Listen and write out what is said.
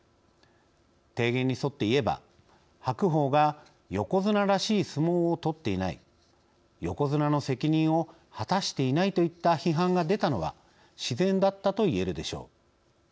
提言に沿って言えば白鵬が横綱らしい相撲をとっていない横綱の責任を果たしていないといった批判が出たのは自然だったと言えるでしょう。